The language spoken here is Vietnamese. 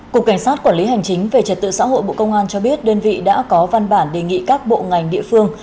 cục cảnh sát quản lý hành chính về trật tự xã hội bộ công an cho biết đơn vị đã có văn bản đề nghị các bộ ngành địa phương